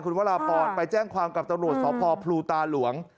คุณวราบปอนด์ไปแจ้งความกับตรวจสอบพอพลูตาหลวง